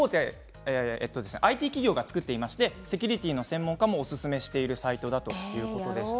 ＩＴ企業が作っていましてセキュリティーの専門家もおすすめしているサイトだということなんです。